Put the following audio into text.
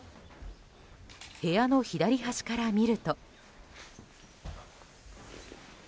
部屋の左端から見ると。